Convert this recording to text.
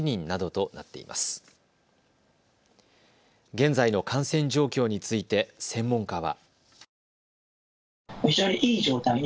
現在の感染状況について専門家は。